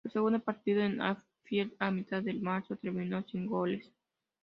El segundo partido en Anfield, a mitad de marzo, terminó sin goles.